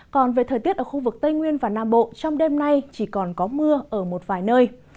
còn về thời tiết ở khu vực tây nguyên và nam bộ trong đêm nay chỉ còn có mưa ở một vài nơi